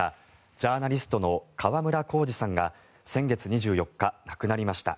ジャーナリストの川村晃司さんが先月２４日、亡くなりました。